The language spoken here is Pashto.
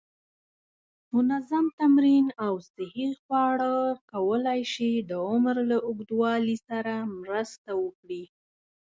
منظم تمرین او صحی خواړه کولی شي د عمر له اوږدوالي سره مرسته وکړي.